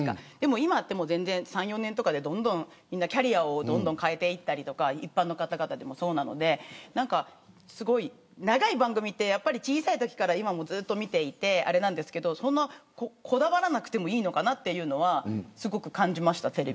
今って３、４年とかでキャリアをどんどん変えていったり一般の方々でもそうなので長い番組って小さいときからずっと見ていてそんなにこだわらなくてもいいのかなというのは感じました。